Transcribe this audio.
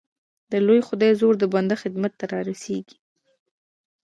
د لوی خدای زور د بنده خدمت ته را رسېږي